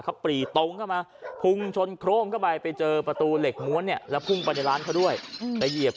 เขาปรีตรงเข้ามาพุงชนโครงเข้าไปไปเจอประตูเหล็กม้วนเนี้ย